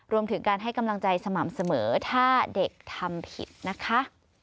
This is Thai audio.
รวมถึงการให้กำลังใจสม่ำเสมอถ้าเด็กทำผิดนะคะ